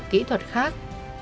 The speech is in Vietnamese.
kỹ thuật khác